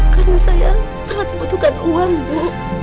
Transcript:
karena saya sangat membutuhkan uang bu